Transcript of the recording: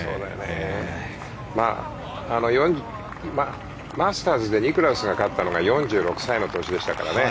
まあ、マスターズでニクラウスが勝ったのが４６歳の年でしたからね。